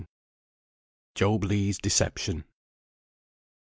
JOB LEGH'S DECEPTION.